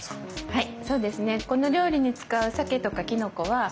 はい。